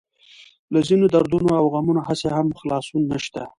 له ځينو دردونو او غمونو هسې هم خلاصون نشته.